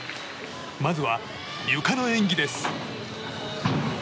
まずは、ゆかの演技です。